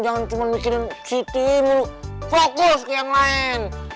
jangan cuma bikinin siti lo fokus ke yang lain